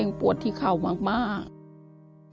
นอกจากนี้เราก็เก็บขยะมั่งอะไรอย่างนี้